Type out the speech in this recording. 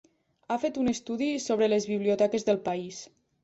Ha fet un estudi sobre les biblioteques del país.